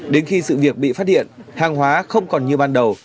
đến khi sự việc bị phát hiện hàng hóa không còn như ban đầu